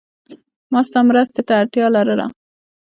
ما ستا مرستی ته اړتیا لرله.